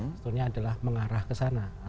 sebetulnya adalah mengarah kesalahan